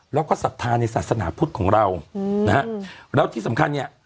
แล้วก็ศรัทธาในศาสนาพุทธของเราอืมนะฮะแล้วที่สำคัญเนี่ย